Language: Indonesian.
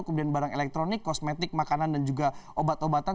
kemudian barang elektronik kosmetik makanan dan juga obat obatan